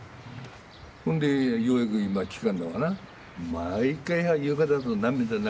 ほんでようやく今帰還だわな。